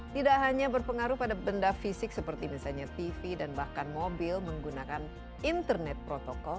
tidak hanya berpengaruh pada benda fisik seperti misalnya tv dan bahkan mobil menggunakan internet protokol